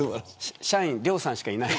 社員、亮さんしかいない。